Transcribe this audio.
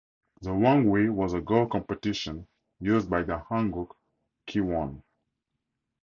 The Wangwi was a Go competition used by the Hanguk Kiwon.